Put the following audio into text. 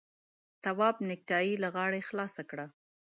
تواب نېکټايي له غاړې خلاصه کړه.